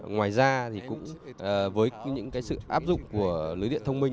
ngoài ra thì cũng với những cái sự áp dụng của lưới điện thông minh